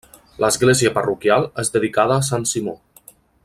L'església parroquial és dedicada a Sant Simó.